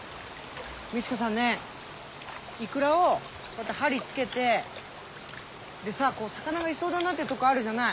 みち子さんねイクラをこうやって針つけてでさこう魚がいそうだなって所あるじゃない？